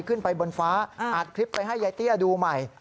ขึ้นไปบนฟ้าอัดคลิปไปให้ยายเตี้ยดูใหม่